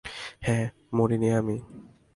হ্যাঁ, মরিনি আমি।